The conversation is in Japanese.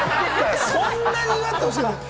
そんなに祝ってほしいわけ？